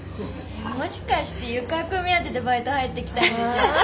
もしかして湯川君目当てでバイト入ってきたんでしょ？